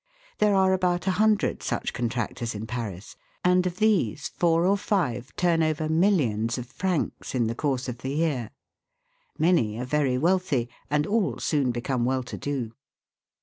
There are about a hundred such contractors in Paris, and of these four or five turn over millions of francs in the course of the year. Many are very wealthy, and all soon become well to do.